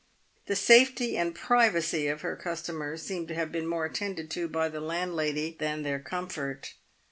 The safety and privacy of her customers seemed to have been more attended to by the landlady than their comfort.